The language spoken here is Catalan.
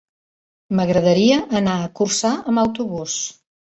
M'agradaria anar a Corçà amb autobús.